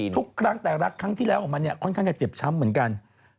ทุกครั้งแต่รักครั้งที่แล้วของมันเนี่ยค่อนข้างจะเจ็บช้ำเหมือนกัน